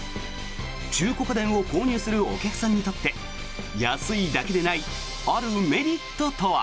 中古家電を購入するお客さんにとって安いだけでないあるメリットとは。